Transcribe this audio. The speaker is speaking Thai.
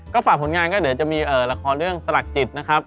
ก็ฝากผลงานก็เดี๋ยวจะมีละครเรื่องสลักจิตนะครับ